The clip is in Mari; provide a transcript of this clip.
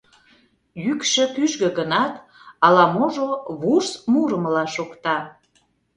Йӱкшӧ кӱжгӧ гынат, ала-можо вурс мурымыла шокта.